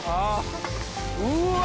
うわ！